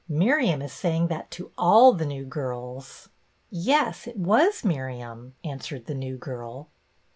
"Miriam is saying that to all the new girls." "Yes, it was Miriam," answered the new girl.